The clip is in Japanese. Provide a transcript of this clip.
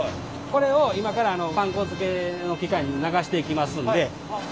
これを今からパン粉づけの機械に流していきますんで。